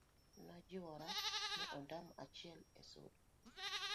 najiwora ni ondamo achiel e sudo